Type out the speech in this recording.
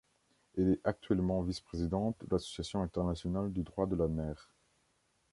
Elle est actuellement vice-présidente de l’Association internationale du droit de la mer.